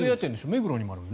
目黒にもあるよね。